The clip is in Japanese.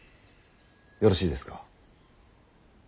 よろしいですか。